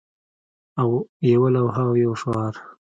او یوه لوحه او یو شعار